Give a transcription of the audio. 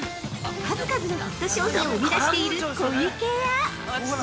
数々のヒット商品を生み出している湖池屋！